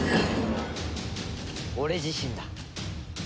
俺自身だ。